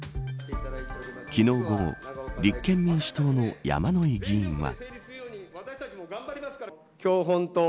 昨日午後立憲民主党の山井議員は。